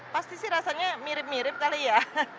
pasti sih rasanya mirip mirip kali ya